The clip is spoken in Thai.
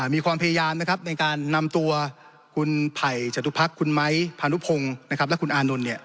มีความพยายามในการนำตัวคุณไผ่จตุพักคุณไม้พานุพงศ์และคุณอานนท์